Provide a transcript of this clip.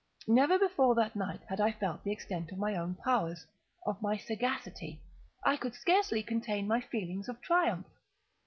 Never before that night had I felt the extent of my own powers—of my sagacity. I could scarcely contain my feelings of triumph.